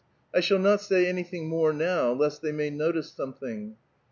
I shall uot say anything more now, lest they may notice something."